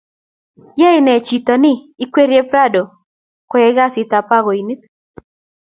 Yaenee chito ni ingwerie Prado Kuyai kazit ab pakoinik